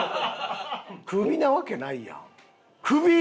首なわけないやん！